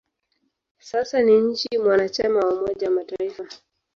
Sasa ni nchi mwanachama wa Umoja wa Mataifa.